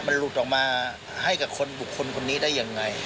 มันหลุดออกมาให้กับคนบุคคลคนนี้ได้ยังไง